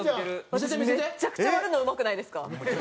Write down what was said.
私めっちゃくちゃ割るのうまくないですか？